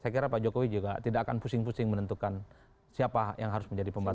saya kira pak jokowi juga tidak akan pusing pusing menentukan siapa yang harus menjadi pembantu